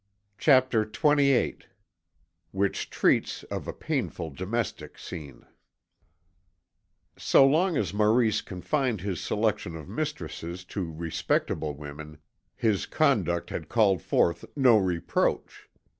CHAPTER XXVIII WHICH TREATS OF A PAINFUL DOMESTIC SCENE So long as Maurice confined his selection of mistresses to respectable women, his conduct had called forth no reproach.